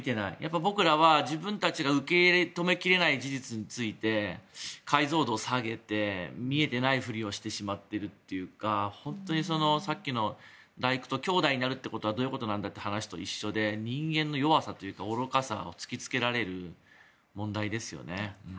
僕らは自分たちが受け止めきれない事実について解像度を下げて見えていない振りをしてしまっているというか本当にさっきの「第九」と兄弟になるってどういうことなんだという話と一緒で人間の弱さと愚かさを突きつけられる問題ですよね。